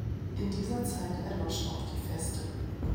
In dieser Zeit erlosch auch die Feste.